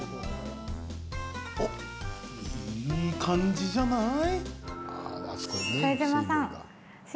お、いい感じじゃない？